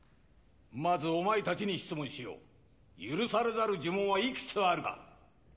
まずお前達に質問しよう許されざる呪文はいくつあるか？